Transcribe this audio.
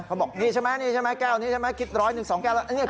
เขาบอกนี่ใช่ไหมนี่ใช่ไหมแก้วนี้ใช่ไหมคิดร้อย๑๒แก้วแล้ว